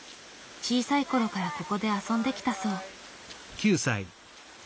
小さいころからここで遊んできたそう。